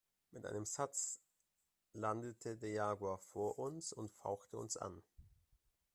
Mit einem Satz landete der Jaguar vor uns und fauchte uns an.